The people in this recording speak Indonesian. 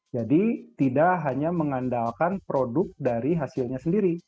jadi tidak hanya mengandalkan produk dari hasilnya sendiri